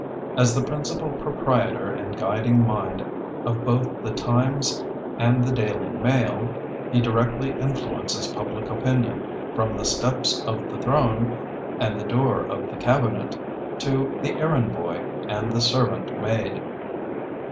As the principal proprietor and guiding mind of both the Times and the Daily Mail, he directly influences public opinion, from the steps of the Throne and the door of the Cabinet, to the errand boy and the servant maid.